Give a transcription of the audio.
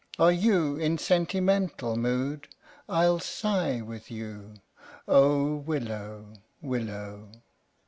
Are you in sentimental mood ? I'll sigh with you. Oh, willow! willow!